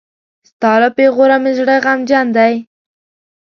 ستا له پېغوره مې زړه غمجن دی.